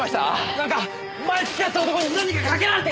なんか前付き合ってた男に何かかけられて！